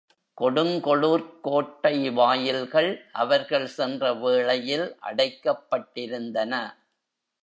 கொடுங்கோளுர்க் கோட்டை வாயில்கள் அவர்கள் சென்ற வேளையில் அடைக்கப்பட்டிருந்தன.